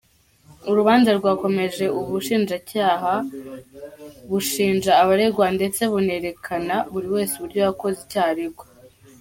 Urubanza rwakomeje ubushinjacyaha bushinja abaregwa ndetse bunerekana buri wese uburyo yakoze icyaha aregwa.